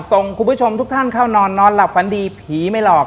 ส่งคุณผู้ชมทุกท่านเข้านอนนอนหลับฝันดีผีไม่หลอก